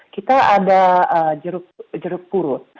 kita ada jeruk purut